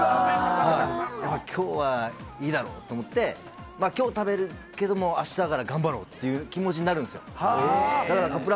今日はいいだろうと思って、今日食べるけども、明日から頑張ろうっていう気持ちになるんですよ。